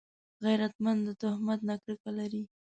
غیرتمند د تهمت نه کرکه لري